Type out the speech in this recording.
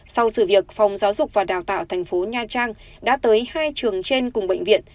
sau sự việc phòng giáo dục và đào tạo thành phố nha trang đã tới hai trường trên cùng bệnh viện